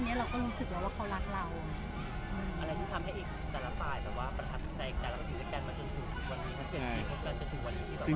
อะไรที่ทำให้อีกแต่ละฝ่ายแต่ว่าประทับใจแต่ละวันนี้กันมาจนถึงวันนี้